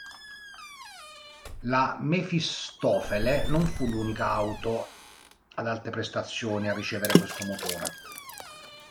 La Mefistofele non fu l'unica auto ad alte prestazioni a ricevere questo motore.